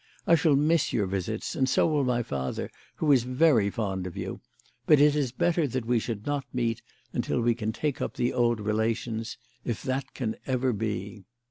I shall miss your visits, and so will my father, who is very fond of you; but it is better that we should not meet, until we can take up the old relations if that can ever be.